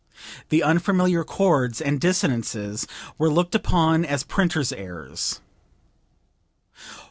The unfamiliar chords and dissonances were looked upon as printers' errors.